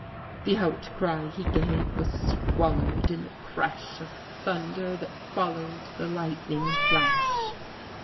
The outcry he gave was swallowed in the crash of thunder that followed the lightning flash.